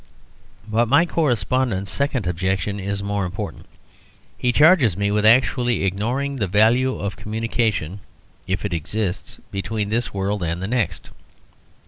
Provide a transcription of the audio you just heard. But my correspondent's second objection is more important. He charges me with actually ignoring the value of communication (if it exists) between this world and the next.